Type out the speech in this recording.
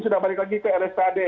ya sudah balik lagi ke rsjad